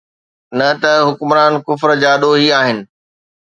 نه ته حڪمران ڪفر جا ڏوهي آهن.